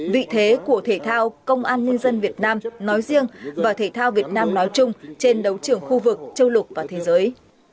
vị thế của thể thao công an nhân dân việt nam nói riêng và thể thao việt nam nói chung trên đấu trường khu vực châu lục và thế giới